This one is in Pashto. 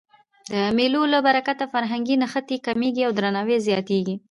د مېلو له برکته فرهنګي نښتي کمېږي او درناوی زیاتېږي.